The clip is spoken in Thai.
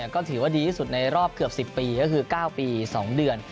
ก็ถือว่าดีที่สุดในรอบเกือบ๑๐ปีก็คือ๙ปี๒เดือน